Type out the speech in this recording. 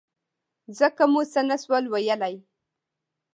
ځکه مو څه نه شول ویلای.